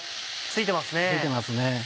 ついてますね。